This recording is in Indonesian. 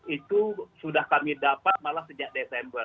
itu sudah kami dapat malah sejak desember